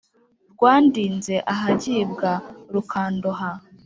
rwandinze ahagibwa rukandoha